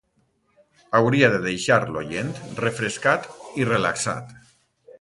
Hauria de deixar l'oient refrescat i relaxat.